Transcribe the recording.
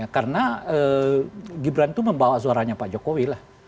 karena gibran itu membawa suaranya pak jokowi lah